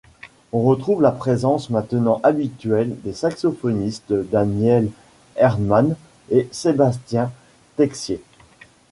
On retrouve la présence maintenant habituelle des saxophonistes Daniel Erdmann et Sébastien Texier.